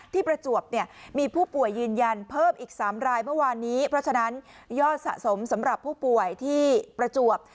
ประจวบเนี่ยมีผู้ป่วยยืนยันเพิ่มอีก๓รายเมื่อวานนี้เพราะฉะนั้นยอดสะสมสำหรับผู้ป่วยที่ประจวบ